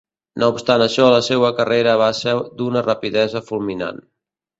No obstant això la seua carrera va ser d'una rapidesa fulminant.